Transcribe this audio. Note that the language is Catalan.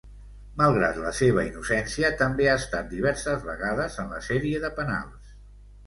Malgrat la seva innocència, també ha estat diverses vegades en la sèrie de penals.